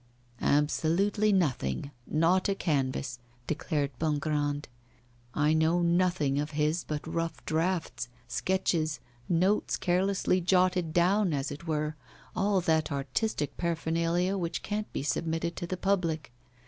'Absolutely nothing, not a canvas,' declared Bongrand. 'I know nothing of his but rough drafts, sketches, notes carelessly jotted down, as it were, all that artistic paraphernalia which can't be submitted to the public.